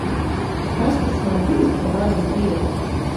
Kas tas man bijis par varenu biedru!